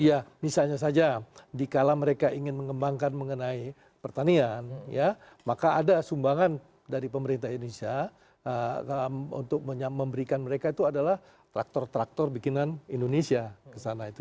ya misalnya saja dikala mereka ingin mengembangkan mengenai pertanian ya maka ada sumbangan dari pemerintah indonesia untuk memberikan mereka itu adalah traktor traktor bikinan indonesia kesana itu